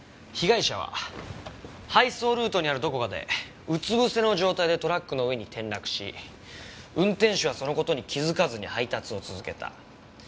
被害者は配送ルートにあるどこかでうつぶせの状態でトラックの上に転落し運転手はその事に気づかずに配達を続けた。